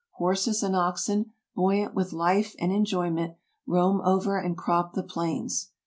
Horses and oxen, buoyant with life and enjoyment, roam over and crop the plains.